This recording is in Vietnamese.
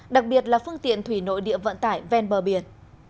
đặc biệt là phương tiện thủy nội địa vận tải ven bờ biển